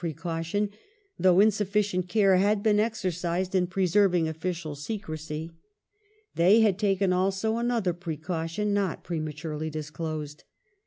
1 1878] TREATY OF BERLIN 463 caution, though insufficient care had been exercised in preserving official secrecy. They had taken, also, another precaution not prematurely disclosed.